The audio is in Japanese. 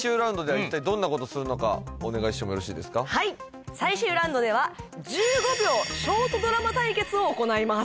はいお願いしてもよろしいですかはい最終ラウンドでは１５秒ショートドラマ対決を行います